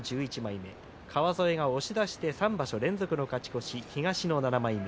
川副が押し出しで３場所連続の勝ち越し東の７枚目。